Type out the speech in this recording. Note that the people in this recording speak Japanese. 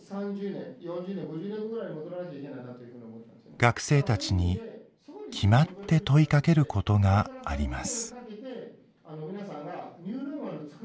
学生たちに決まって問いかけることがあります。